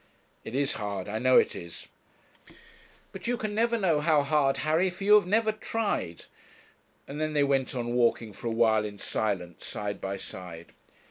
'It is hard; I know it is.' 'But you never can know how hard, Harry, for you have never tried,' and then they went on walking for a while in silence, side by side.